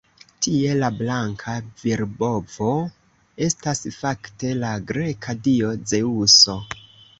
Tie la blanka virbovo estas fakte la greka dio Zeŭso.